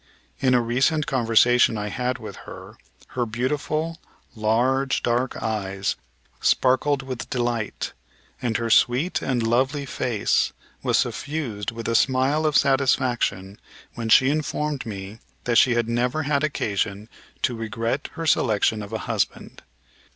In a recent conversation I had with her, her beautiful, large dark eyes sparkled with delight, and her sweet and lovely face was suffused with a smile of satisfaction when she informed me that she had never had occasion to regret her selection of a husband.